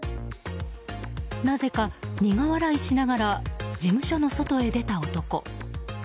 なぜか苦笑いしながら事務所の外へ出た男。